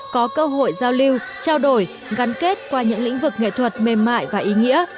có cơ hội giao lưu trao đổi gắn kết qua những lĩnh vực nghệ thuật mềm mại và ý nghĩa